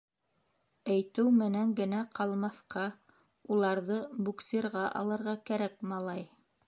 — Әйтеү менән генә ҡалмаҫҡа, уларҙы «буксирға» алырға кәрәк, малай!